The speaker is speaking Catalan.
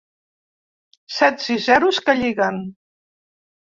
Sets i zeros que lliguen.